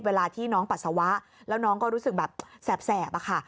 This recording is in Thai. เวลาที่น้องปัสสาวะแล้วน้องก็รู้สึกแบบแสบอะค่ะ